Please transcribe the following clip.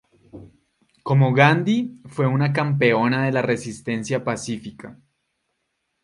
Como Gandhi, fue una campeona de la resistencia pacífica"".